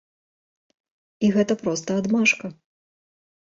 І гэта проста адмашка.